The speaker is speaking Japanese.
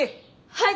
はい！